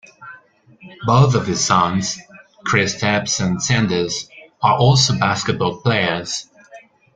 Both of his sons, Kristaps and Sandis, are also basketball players.